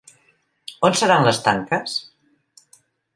On seran les tanques?